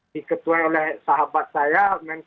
diketuai oleh sahabat saya